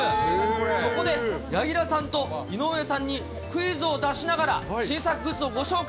そこで、柳楽さんと井上さんにクイズを出しながら、新作グッズをご紹介。